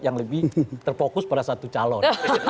yang lebih terfokus pada satu calon